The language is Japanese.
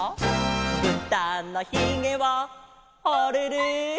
「ぶたのひげはあれれ」